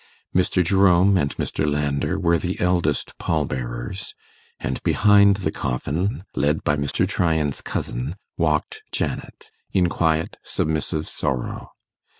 Mr. Jerome and Mr. Landor were the eldest pall bearers; and behind the coffin, led by Mr. Tryan's cousin, walked Janet, in quiet submissive sorrow.